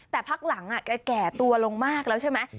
แต่พักหลังแกแก่ตัวลงมากแล้วใช่ไหม